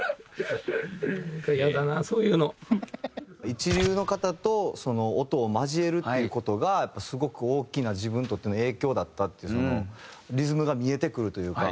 一流の方と音を交えるっていう事がすごく大きな自分にとっての影響だったってそのリズムが見えてくるというか。